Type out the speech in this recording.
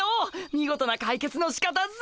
見事な解決のしかたっす。